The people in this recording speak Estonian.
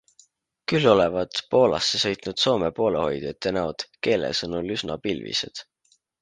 Küll olevat Poolasse sõitnud Soome poolehoidjate näod Keele sõnul üsna pilvised.